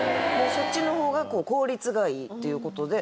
そっちの方が効率がいいっていう事で。